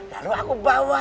lalu aku bawa